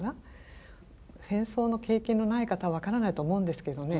戦争の経験のない方は分からないと思うんですけどね